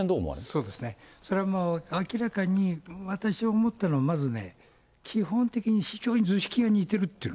そうですね、それは明らかに私、思ったのは、まずね、基本的に非常に図式が似てるっていう。